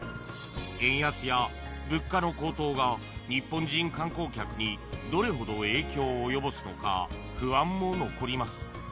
円安や物価の高騰が日本人観光客にどれほど影響を及ぼすのか不安も残ります。